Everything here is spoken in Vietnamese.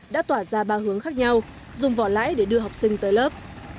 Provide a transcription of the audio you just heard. đã tỏa ra ba hướng khác nhau dùng vỏ lãi để đưa học sinh tới lớp